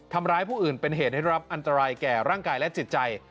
ทำร้ายผู้อื่นเป็นเหตุให้รับอันตรายแก่ร่างกายและจิตใจ